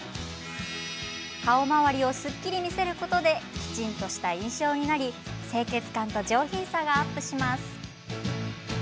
顔周りをすっきり見せることできちんとした印象になり清潔感と上品さがアップします。